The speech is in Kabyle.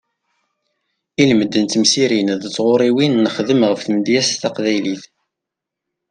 Ilmend n temsirin d tɣuriwin nexdem ɣef tmedyazt taqbaylit.